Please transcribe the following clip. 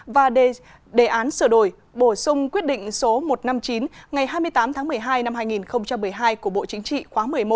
và đề án sửa đổi bổ sung quyết định số một trăm năm mươi chín ngày hai mươi tám tháng một mươi hai năm hai nghìn một mươi hai của bộ chính trị khóa một mươi một